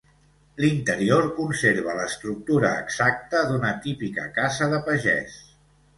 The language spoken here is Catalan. L'interior conserva l'estructura exacta d'una típica casa de pagès.